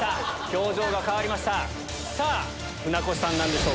表情が変わりました。